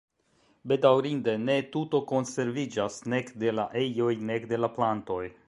Bedaŭrinde ne tuto konserviĝas, nek de la ejoj nek de la plantoj.